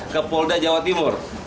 ke polda jawa timur